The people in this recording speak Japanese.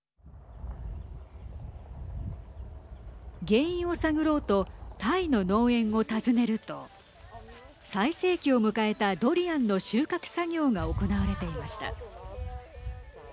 原因を探ろうとタイの農園を訪ねると最盛期を迎えたドリアンの収穫作業が行われていました。